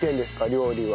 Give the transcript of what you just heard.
料理は。